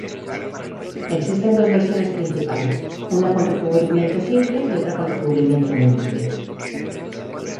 Existen dos versiones principales, una con recubrimiento simple y otra con recubrimiento múltiple.